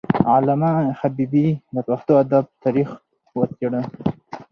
علامه حبيبي د پښتو ادب تاریخ وڅیړه.